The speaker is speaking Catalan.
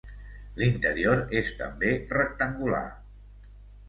L'interior és també rectangular.